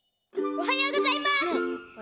おはようございます。